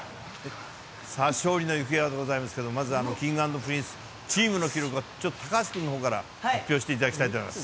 勝利の行方はでございますけれども、まず、Ｋｉｎｇ＆Ｐｒｉｎｃｅ、チームの記録はちょっと、高橋君のほうから発表していただきたいと思います。